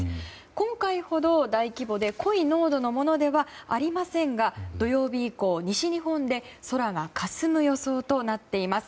今回ほど大規模で濃い濃度のものではありませんが土曜日以降、西日本で空がかすむ予想となっています。